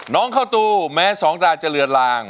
เข้าตูแม้สองตาจะเลือนลาง